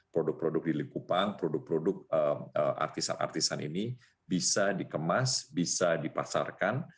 produk produk di likupang produk produk artisan artisan ini bisa dikemas bisa dipasarkan